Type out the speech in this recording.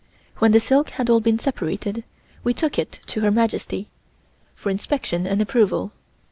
When the silk had all been separated we took it to Her Majesty for inspection and approval.